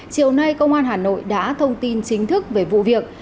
chiều nay công an hà nội đã thông tin chính thức về vụ việc